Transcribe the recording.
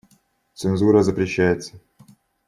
Цензура запрещается.